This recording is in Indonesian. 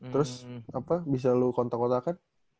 terus apa bisa lo kontak kotakan